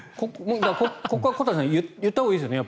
ここは小谷さん言ったほうがいいですよね。